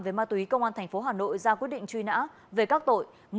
về ma túy công an tp hà nội ra quyết định truy nã về các tội